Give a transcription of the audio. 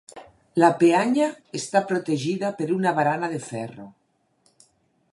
La peanya està protegida per una barana de ferro.